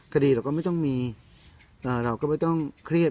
คดีเราก็ไม่ต้องมีเราก็ไม่ต้องเครียด